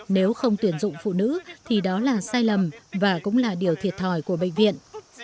nếu không tuyển dụng phụ nữ thì đó là sai lầm và cũng là điều thiệt thòi của bệnh viện